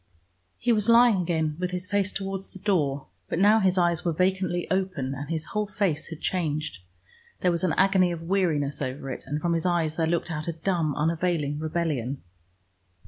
He was lying again with his face towards the door, but now his eyes were vacantly open, and his whole face had changed. There was an agony of weariness over it, and from his eyes there looked out a dumb, unavailing rebellion.